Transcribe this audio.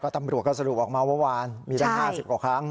ตำรวจก็สรุปออกมาวันมีละ๕๐กว่าครั้ง